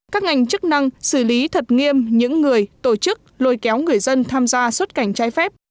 các ngành chức năng xử lý thật nghiêm những người tổ chức lôi kéo người dân tham gia xuất cảnh trái phép